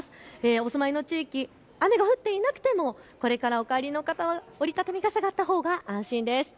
お住まいの地域、雨が降っていなくてもこれからお帰りの方は折り畳み傘があったほうが安心です。